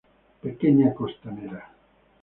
Pequeña costanera.